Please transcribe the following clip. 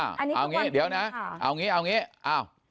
อ้าวเอาอย่างงี้เดี๋ยวนะเอาอย่างงี้เอาอย่างงี้เอา